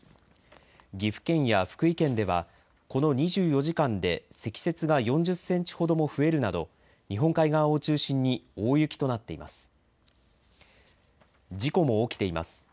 岐阜県や福井県ではこの２４時間で積雪が４０センチほども増えるなど日本海側を中心に大雪となっています。